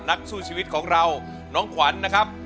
นักสู้ชีวิตของเราน้องขวัญนะครับ